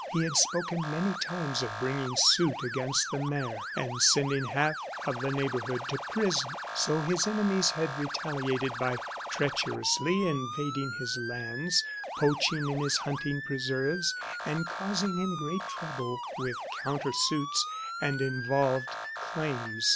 He had spoken many times of bringing suit against the mayor and sending half of the neighborhood to prison, so his enemies had retaliated by treacherously invading his lands, poaching in his hunting preserves, and causing him great trouble with counter suits and involved claims.